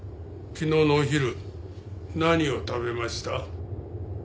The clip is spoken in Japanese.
昨日のお昼何を食べました？